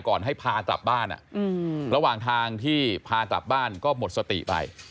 ให้พากลับบ้านระหว่างทางที่พากลับบ้านก็หมดสติไป